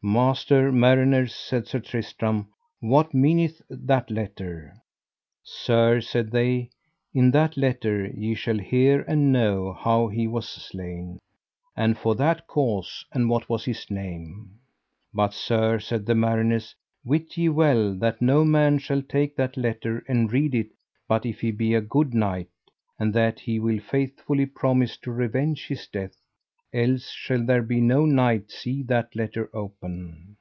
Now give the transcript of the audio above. Master mariners, said Sir Tristram, what meaneth that letter? Sir, said they, in that letter ye shall hear and know how he was slain, and for what cause, and what was his name. But sir, said the mariners, wit ye well that no man shall take that letter and read it but if he be a good knight, and that he will faithfully promise to revenge his death, else shall there be no knight see that letter open.